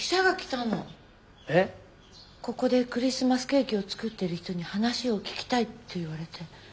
ここでクリスマスケーキを作ってる人に話を聞きたいって言われて。